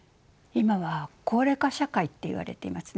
今は高齢化社会っていわれていますね。